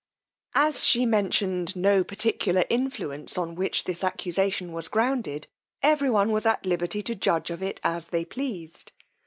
As she mentioned no particular influence on which this accusation was grounded, every one was at liberty to judge of it as they pleased.